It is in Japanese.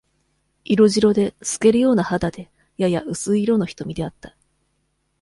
色白で、透けるような肌で、やや薄い色の瞳であった。